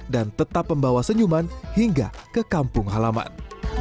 dan tetap membawa senyuman hingga ke kampung halaman